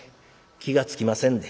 気が付きませんで」。